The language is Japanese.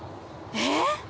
えっ？